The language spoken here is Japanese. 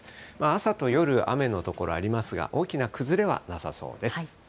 朝と夜、雨の所ありますが、大きな崩れはなさそうです。